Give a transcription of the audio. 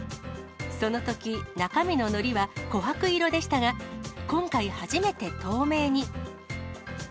そのとき、中身ののりはこはく色でしたが、今回初めて透明に。